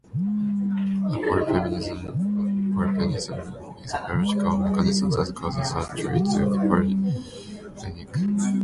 A polyphenism is a biological mechanism that causes a trait to be polyphenic.